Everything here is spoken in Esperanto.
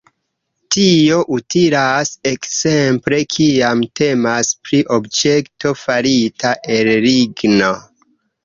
Tio utilas ekzemple, kiam temas pri objekto farita el ligno.